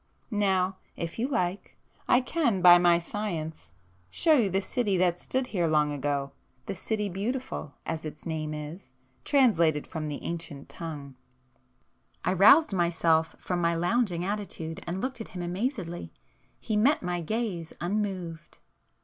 Now, if you like, I can by my science, show you the city that stood here long ago,—the 'City Beautiful' as its name is, translated from the ancient tongue." I roused myself from my lounging attitude and looked at him amazedly. He met my gaze unmoved.